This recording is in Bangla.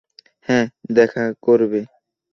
হ্যাঁ, দেখা করবে।